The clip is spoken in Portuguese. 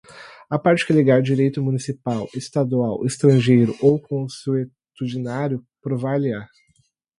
A parte que alegar direito municipal, estadual, estrangeiro ou consuetudinário provar-lhe-á